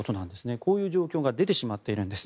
こういう状況が出てしまっているんです。